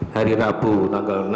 hari rabu tanggal